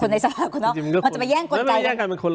มันจะไปแย่งกนไกร